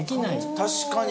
確かに。